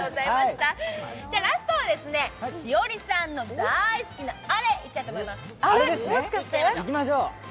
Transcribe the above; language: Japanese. ラストは栞里さんの大好きな、あれいきたいと思います。